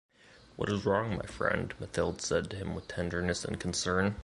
What is wrong my friend? Mathilde said to him with tenderness and concern.